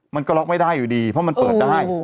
มันก็ล็อกไม่ได้อยู่ดีเพราะมันเปิดได้